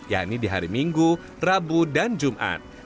yakni di hari minggu rabu dan jumat